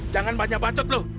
jangan banyak bacot lo